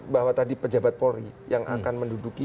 bahwa tadi pejabat polri yang akan menduduki